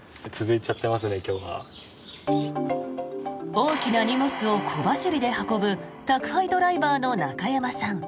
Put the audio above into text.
大きな荷物を小走りで運ぶ宅配ドライバーの中山さん。